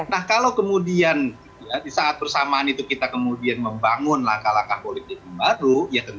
nah kalau kemudian di saat persamaan itu kita kemudian membangun langkah langkah politik yang baru ya tentu ini adalah hal yang harus dihantarkan